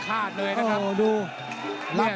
ตามต่อยกที่๓ครับ